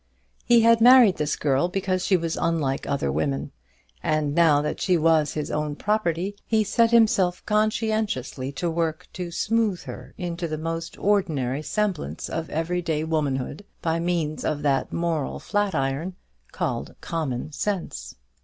He had married this girl because she was unlike other women; and now that she was his own property, he set himself conscientiously to work to smooth her into the most ordinary semblance of every day womanhood, by means of that moral flat iron called common sense.